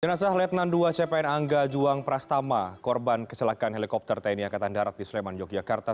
jenazah letnan ii cpn angga juang prastama korban kecelakaan helikopter tni angkatan darat di sleman yogyakarta